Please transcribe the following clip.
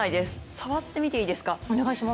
触ってみていいですか？